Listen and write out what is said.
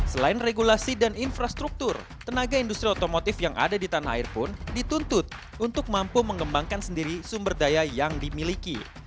selain regulasi dan infrastruktur tenaga industri otomotif yang ada di tanah air pun dituntut untuk mampu mengembangkan sendiri sumber daya yang dimiliki